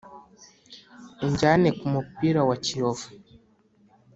unjyane kumupira wa kiyovu